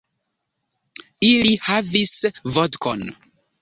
Ili havis vodkon.